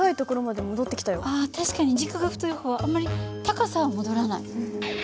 確かに軸が太い方はあんまり高さは戻らない。